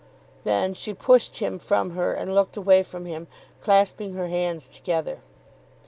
Then she pushed him from her and looked away from him, clasping her hands together.